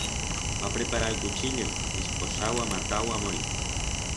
Va preparar el cuchillo disposau a matar u a morir.